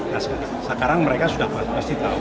nah sekarang mereka sudah pasti tahu